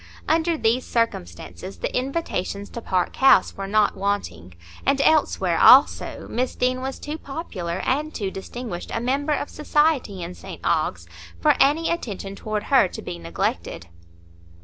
Under these circumstances the invitations to Park House were not wanting; and elsewhere, also, Miss Deane was too popular and too distinguished a member of society in St Ogg's for any attention toward her to be neglected.